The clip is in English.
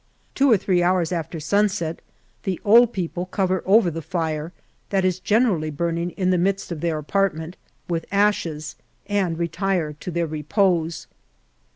Two or three hours after sunset, the old people cover over the fire, that is generally burning in the midst of their apartment, with ashes, and retire to their repose.